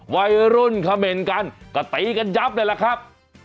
วัยรุ่นเขม่นกันก็ตีกันยับเลยล่ะครับ